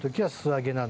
素揚げだ。